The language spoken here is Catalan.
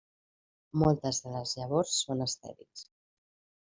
Moltes de les llavors són estèrils.